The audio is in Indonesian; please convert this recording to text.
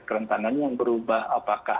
kerentanan yang berubah apakah